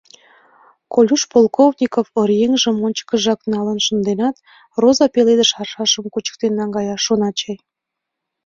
Колюш Полковников оръеҥжым ончыкыжак налын шынденат, роза пеледыш аршашым кучен наҥгая, шона чай.